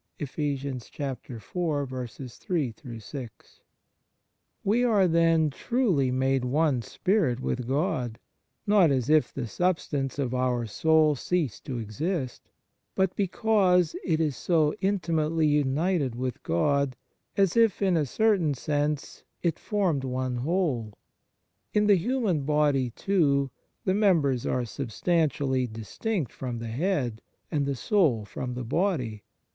1 We are, then, truly made one spirit with God; not as if the substance of our soul ceased to exist, but because it is so intimately united with God, as if, in a certain sense, it formed one whole. In the human body, too, the members are substantially distinct from the head, and the soul from the body.